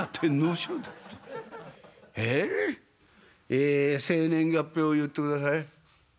ええ生年月日を言ってください」。